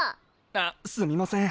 あすみません。